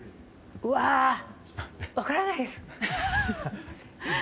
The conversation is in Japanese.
うわー。分からないです！